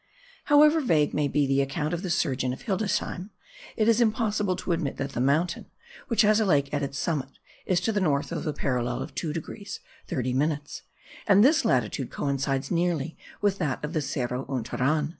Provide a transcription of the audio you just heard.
However vague may be the account of the surgeon of Hildesheim, it is impossible to admit that the mountain, which has a lake at its summit, is to the north of the parallel of 2 degrees 30 minutes: and this latitude coincides nearly with that of the Cerro Unturan.